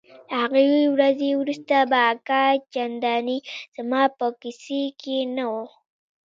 له هغې ورځې وروسته به اکا چندانې زما په کيسه کښې نه و.